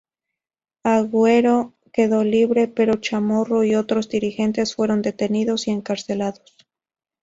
Agüero quedó libre, pero Chamorro y otros dirigentes fueron detenidos y encarcelados.